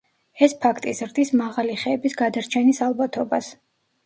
ეს ფაქტი ზრდის მაღალი ხეების გადარჩენის ალბათობას.